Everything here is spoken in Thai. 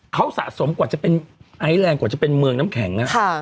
เขาสะสมกว่าจะเป็นไอซ์แรงกว่าจะเป็นเมืองน้ำแข็ง